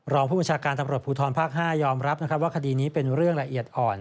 รองผู้บัญชาการตำรวจภูทรภาค๕ยอมรับว่าคดีนี้เป็นเรื่องละเอียดอ่อน